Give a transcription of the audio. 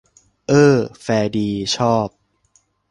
เอ้อ แฟร์ดี ชอบ